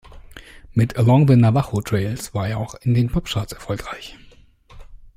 Mit "Along the Navajo Trail" war er auch in den Popcharts erfolgreich.